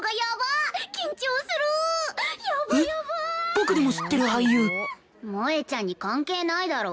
僕でも知ってる俳優萌ちゃんに関係ないだろ？